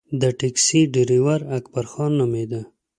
د ټیکسي ډریور اکبرخان نومېده.